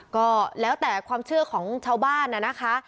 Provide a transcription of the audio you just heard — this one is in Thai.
ก็แล้วแต่ความเชื่อของชาวบ้านนะคะ